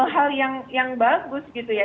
hal yang bagus gitu ya